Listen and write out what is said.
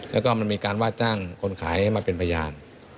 แล้วก็มันมีการว่าจ้างคนขายให้มาเป็นพยาน